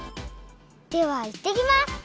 ではいってきます！